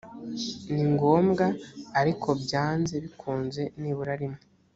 ni ngombwa ariko byanze bikunze nibura rimwe